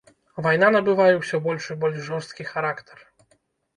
Вайна набывае ўсё больш і больш жорсткі характар.